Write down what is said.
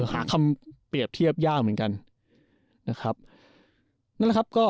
หาคำเปรียบเทียบยากเหมือนกัน